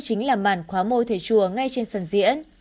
chính là màn khóa môi thầy chùa ngay trên sân diễn